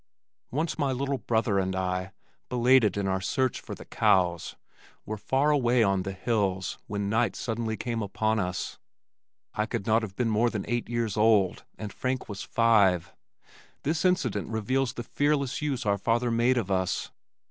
Once my little brother and I, belated in our search for the cows, were far away on the hills when night suddenly came upon us. I could not have been more than eight years old and Frank was five. This incident reveals the fearless use our father made of us.